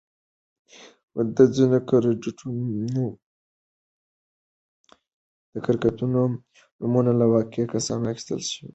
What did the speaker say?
د ځینو کرکټرونو نومونه له واقعي کسانو اخیستل شوي وو.